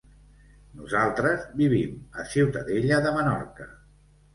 Nosaltres vivim a Ciutadella de Menorca.